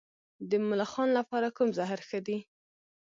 د ملخانو لپاره کوم زهر ښه دي؟